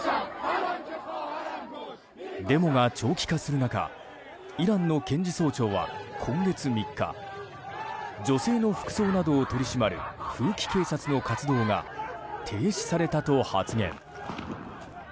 デモが長期化する中イランの検事総長は今月３日女性の服装などを取り締まる風紀警察の活動が停止されたと発言。